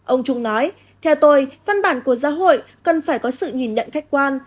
ông trung nói theo tôi văn bản của giáo hội cần phải có sự nhìn nhận khách quan